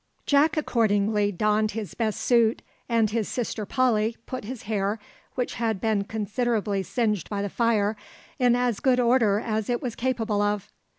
Jack accordingly donned his best suit, and his sister Polly put his hair, which had been considerably singed by the fire, in as good order as it was capable of.